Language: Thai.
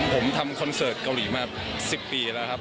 ผมทำคอนเสิร์ตเกาหลีมา๑๐ปีแล้วครับ